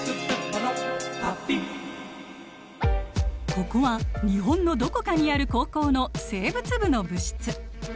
ここは日本のどこかにある高校の生物部の部室。